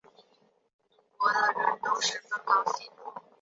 赌博的人都十分高兴